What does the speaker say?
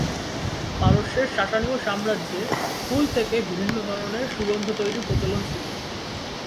পারস্যের সাসানীয় সাম্রাজ্যে ফুল থেকে বিভিন্ন ধরনের সুগন্ধ তৈরীর প্রচলন ছিল।